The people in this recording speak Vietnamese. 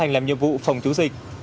làm nhiệm vụ phòng chống dịch